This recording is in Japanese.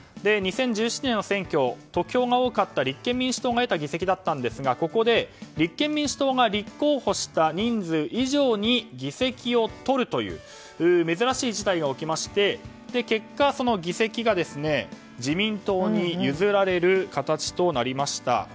２０１７年の選挙得票が多かった立憲民主党が得た議席だったんですが、ここで立憲民主党が立候補した人数以上に議席をとるという珍しい事態が起きまして結果、議席が自民党に譲られる形となりました。